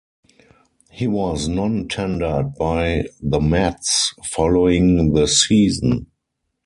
He was non-tendered by the Mets following the season.